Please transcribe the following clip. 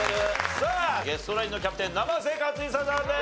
さあゲストナインのキャプテン生瀬勝久さんです！